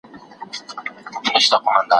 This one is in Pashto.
ایا چین پرمختګ وکړ؟